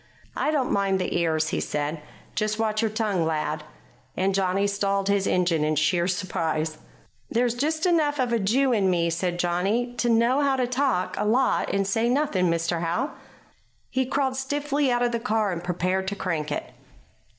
"I don't mind the ears," he said. "Just watch your tongue, lad." And Johnny stalled his engine in sheer surprise. "There's just enough of the Jew in me," said Johnny, "to know how to talk a lot and say nothing, Mr. Howe." He crawled stiffly out of the car and prepared to crank it.